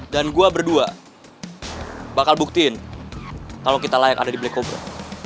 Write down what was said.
dan gua berdua bakal buktiin kalo kita layak ada di black cobra